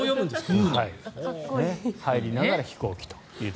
入りながら飛行機と。